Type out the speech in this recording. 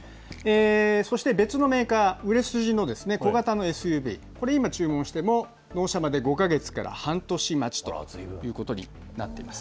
そして別のメーカー、売れ筋の小型のＳＵＶ、これ今、注文しても、納車まで５か月から半年待ちということになっています。